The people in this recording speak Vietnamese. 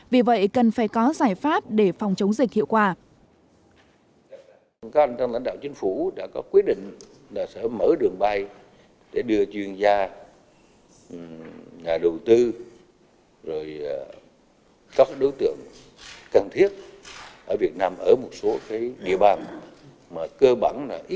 vì vậy cần phải có giải pháp để phòng chống dịch hiệu quả